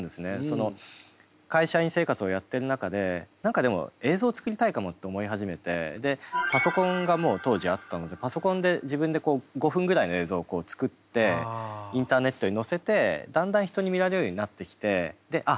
会社員生活をやってる中で何かでも映像作りたいかもって思い始めてでパソコンがもう当時あったのでパソコンで自分で５分ぐらいの映像を作ってインターネットに載せてだんだん人に見られるようになってきてあっ